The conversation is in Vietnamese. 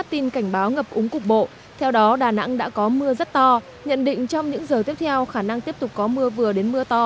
theo đó đà nẵng đã có mưa rất to nhận định trong những giờ tiếp theo khả năng tiếp tục có mưa vừa đến mưa to